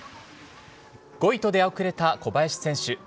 ５位と出遅れた小林選手。